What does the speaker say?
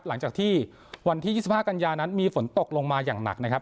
หลังจากที่วันที่๒๕กันยานั้นมีฝนตกลงมาอย่างหนักนะครับ